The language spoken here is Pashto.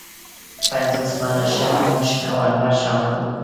پنځوس منه مشک او عنبر شامل وه.